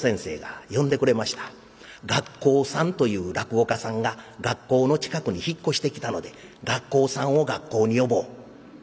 「学光さんという落語家さんが学校の近くに引っ越してきたので学光さんを学校に呼ぼう」。